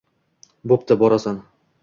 Bo‘pti, borasan.